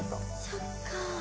そっか。